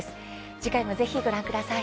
次回も、ぜひご覧ください。